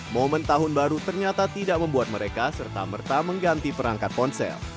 momen tahun baru ternyata tidak membuat mereka serta merta mengganti perangkat ponsel